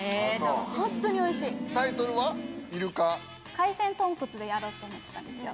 「海鮮」「豚骨」でやろうと思ってたんですよ。